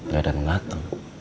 gak ada yang ngateng